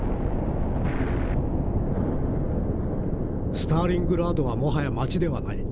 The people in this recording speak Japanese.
「スターリングラードはもはや街ではない。